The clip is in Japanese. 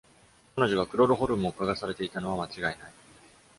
彼女がクロロホルムを嗅がされていたのは間違いない。